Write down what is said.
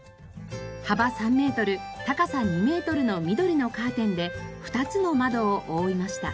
幅３メートル高さ２メートルの緑のカーテンで２つの窓を覆いました。